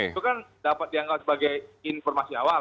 itu kan dapat dianggap sebagai informasi awal